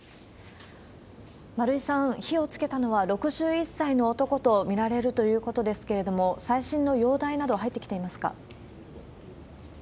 丸井さん、火をつけたのは６１歳の男と見られるということですけれども、最新の容体など入ってきていますか？